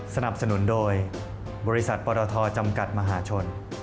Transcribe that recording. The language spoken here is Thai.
สนับสนุนโดยบริษัทปรทจำกัดมหาชน